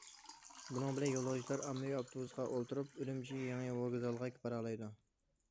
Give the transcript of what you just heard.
بۇنىڭ بىلەن يولۇچىلار ئاممىۋى ئاپتوبۇسقا ئولتۇرۇپ ئۈرۈمچى يېڭى ۋوگزالىغا بارالايدۇ.